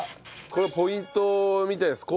これポイントみたいです。